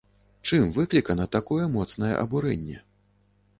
Чым выклікана такое моцнае абурэнне?